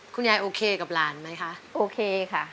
คุณยายโอเคกับหลานไหมคะโอเคค่ะ